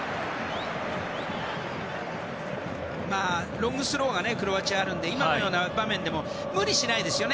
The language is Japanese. ロングスローがクロアチアはあるので今のような場面でも無理しないですよね。